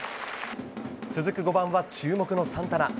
続く５番は注目のサンタナ。